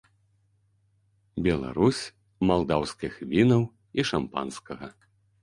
Беларусь малдаўскіх вінаў і шампанскага.